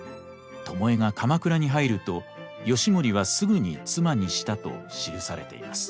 巴が鎌倉に入ると義盛はすぐに妻にしたと記されています。